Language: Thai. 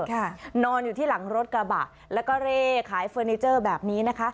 ค่ะนอนอยู่ที่หลังรถกระบะแล้วก็เร่ขายเฟอร์นิเจอร์แบบนี้นะคะ